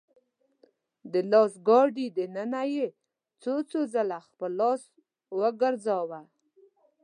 د لاس ګاډي دننه يې څو څو ځله خپل لاس وګرځاوه .